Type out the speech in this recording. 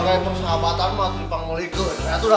kamu kan lagi jatuh cinta jadi nggak usah makan